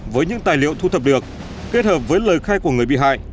với những tài liệu thu thập được kết hợp với lời khai của người bị hại